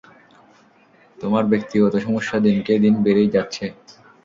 তোমার ব্যাকিগত সমস্যা দিনকে দিন বেড়েই যাচ্ছে।